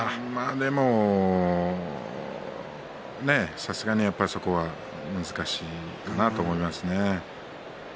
でも、さすがにそれは難しいかなと思いましたね。